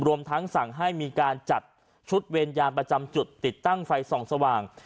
รวมทั้งสั่งให้มีการจัดชุดเวรยามประจำจุดติดตั้งไฟส่องสว่าง